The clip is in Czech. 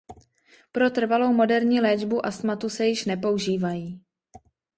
Pro trvalou moderní léčbu astmatu se již nepoužívají.